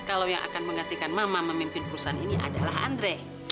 kalau yang akan menggantikan mama memimpin perusahaan ini adalah andre